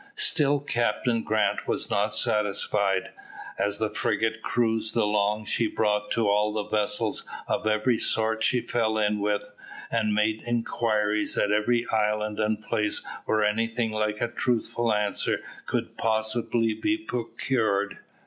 Still Captain Grant was not satisfied. As the frigate cruised along she brought to all the vessels of every sort she fell in with, and made inquiries at every island and place where anything like a truthful answer could possibly be procured.